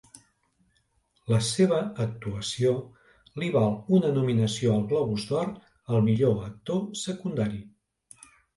La seva actuació li val una nominació al Globus d'Or al millor actor secundari.